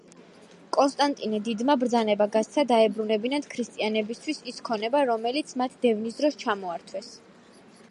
კონსტანტინე დიდმა ბრძანება გასცა, დაებრუნებინათ ქრისტიანებისათვის ის ქონება, რომელიც მათ დევნის დროს ჩამოართვეს.